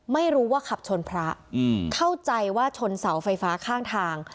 ไม่รู้ว่าขับชนพระเข้าใจว่าชนเสาไฟฟ้าข้างทาง